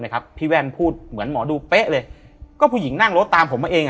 พี่แว่นพูดเหมือนหมอดูเป๊ะเลยก็ผู้หญิงนั่งรถตามผมมาเองอ่ะ